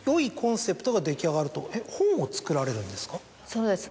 そうです